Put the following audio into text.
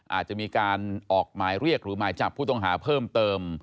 อาจจะมีการออกหมายเรียกหรือหมายจับผู้ต้องหาเพิ่มเติม